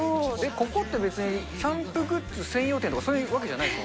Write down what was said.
ここって別にキャンプグッズ専用店とかそういうわけじゃないです